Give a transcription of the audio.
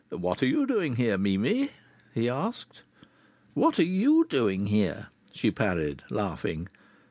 "What are you doing here, Mimi?" he asked. "What are you doing here?" she parried, laughing.